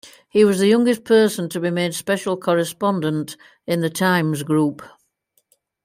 He was the youngest person to be made special correspondent in the Times Group.